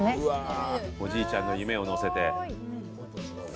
おじいちゃんの夢を乗せて。